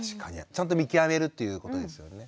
ちゃんと見極めるっていうことですよね。